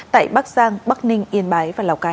tại bắc giang bắc ninh yên bái và lào cai